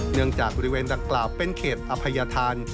เนื่องจากริเวณต่างเป็นเขตอภัยทาน